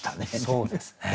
そうですね。